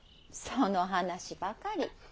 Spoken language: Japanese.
その話ばかり。